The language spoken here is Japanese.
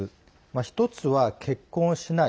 １つは結婚しない。